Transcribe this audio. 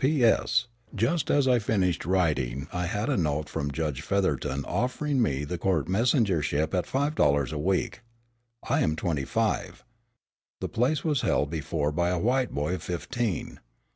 "P.S. Just as I finished writing I had a note from Judge Featherton offering me the court messengership at five dollars a week. I am twenty five. The place was held before by a white boy of fifteen.